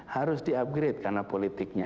harus di upgrade karena politiknya